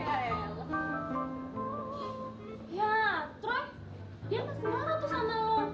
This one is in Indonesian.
ya troye dia ga senar tuh sama lo